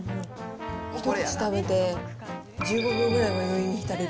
一口食べて１５秒ぐらいは余韻に浸れる。